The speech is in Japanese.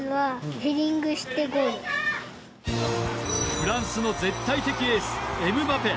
フランスの絶対的エースエムバペ。